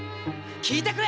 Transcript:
聞いてくれ！